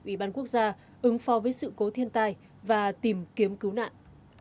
ủy ban quốc gia ứng phó với sự cố thiên tai và tìm kiếm cứu nạn